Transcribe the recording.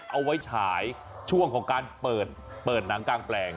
เอาไว้ฉายช่วงของการเปิดหนังกลางแปลง